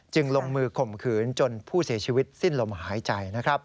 ลงมือข่มขืนจนผู้เสียชีวิตสิ้นลมหายใจ